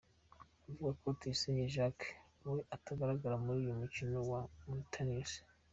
Avuga ko Tuyisenge Jacques we atazagaragara muri uyu mukino wa Mauritius.